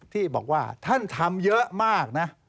ที่บอกว่าท่านทำเยอะมากนะ